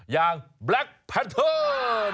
อย่างแบล็คแพนเทอร์